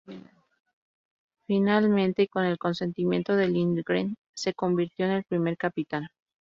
Finalmente, y con el consentimiento de Lindgren, se convirtió en el primer capitán.